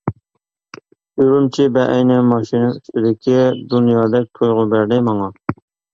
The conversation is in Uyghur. ئۈرۈمچى بەئەينى ماشىنا ئۈستىدىكى دۇنيادەك تۇيغۇ بەردى ماڭا.